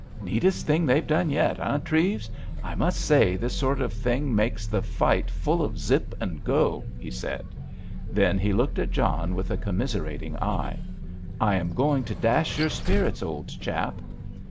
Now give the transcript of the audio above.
"Neatest thing they've done yet, eh, Treves? I must say this sort of thing makes the fight full of zipp and go," he said. Then he looked at John with a commiserating eye: "I am going to dash your spirits, old chap."